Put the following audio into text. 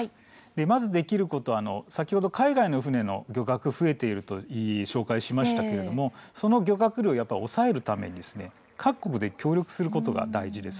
まず、できること先ほど海外の船の漁獲が増えていると紹介しましたけれどその漁獲量を抑えるために各国で協力することが大事です。